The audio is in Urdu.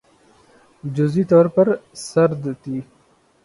جزوی طور پر سرد تھِی